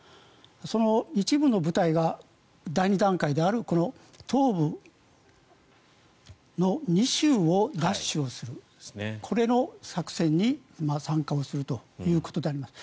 その一部の部隊が第２段階であるこの東部の２州を奪取するこれの作戦に参加するということであります。